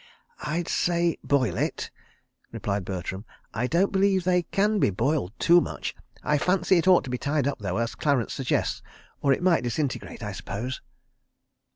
"I'd say boil it," replied Bertram. "I don't believe they can be boiled too much. ... I fancy it ought to be tied up, though, as Clarence suggests, or it might disintegrate, I suppose."